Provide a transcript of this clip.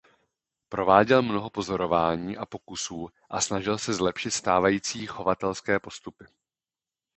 Prováděl mnoho pozorování a pokusů a snažil se zlepšit stávající chovatelské postupy.